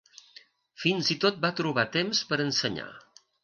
Fins i tot va trobar temps per ensenyar.